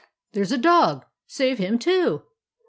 There 's a dog; save him, too.